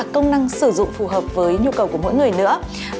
có cả công năng sử dụng phù hợp với nhu cầu của mỗi người nữa